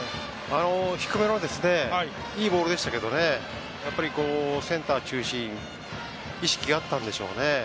低めのいいボールでしたけどセンター中心という意識があったんでしょうね。